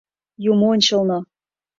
— Юмо ончылно...